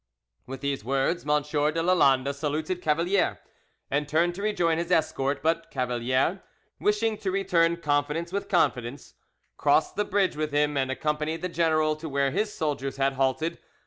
With these words, M. de Lalande saluted Cavalier, and turned to rejoin his escort; but Cavalier, wishing to return confidence with confidence, crossed the bridge with him, and accompanied the general to where his soldiers had halted.